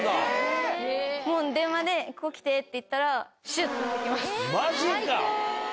もう電話で、ここ来てって言ったマジか。